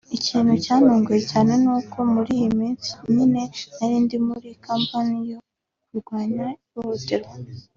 Ikintu cyantunguye cyane ni uko muri iyo minsi nyine narindi muri campaign yo kurwanya ihohoterwa